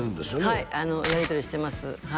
はいやりとりしてます